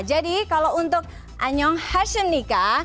jadi kalau untuk anyonghaseyumnika